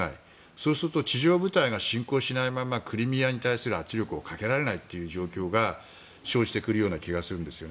そうすると地上部隊が進行しないままクリミアに対する圧力をかけられないという状況が生じてくるような気がするんです。